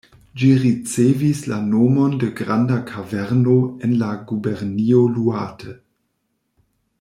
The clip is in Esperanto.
Ĝi ricevis la nomon de granda kaverno en la gubernio Iŭate.